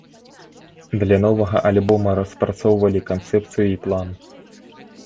Для новага альбома распрацоўвалі канцэпцыю і план?